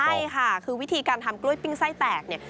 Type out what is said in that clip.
ใช่ค่ะคือวิธีการทำกล้วยปิ้งไส้แตกเนี่ย